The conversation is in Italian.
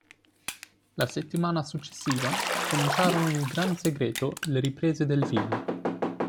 La settimana successiva cominciarono in gran segreto le riprese del film.